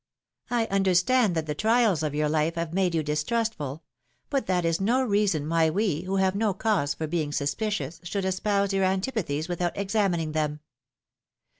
I understand that the trials of your life have made you distrustful ; but that is no reason why we, who have no cause for being suspicious, should espouse your antipathies without examining them.